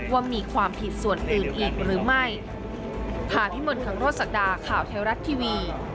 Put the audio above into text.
ว่ามีความผิดส่วนอื่นอีกหรือไม่